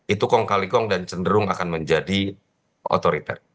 itu kongkalikom dan cenderung akan menjadi otoriter